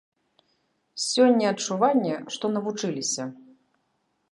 Сёння адчуванне, што навучыліся.